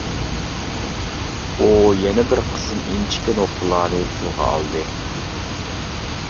ئۇ يەنە بىر قىسىم ئىنچىكە نۇقتىلارنى تىلغا ئالدى.